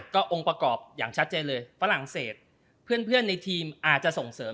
ก็องค์ประกอบอย่างชัดเจนเลยฝรั่งเศสเพื่อนในทีมอาจจะส่งเสริม